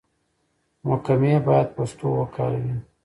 محکمې بايد پښتو وکاروي.